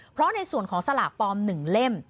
เพราะในส่วนของสลากปลอม๑เล่ม